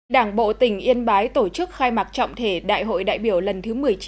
đảng bộ tỉnh yên bái tổ chức khai mạc trọng thể đại hội đại biểu lần thứ một mươi chín